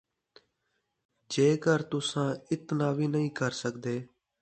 ۔ جیکر تُساں اتنا وی نھیں کر سڳدے،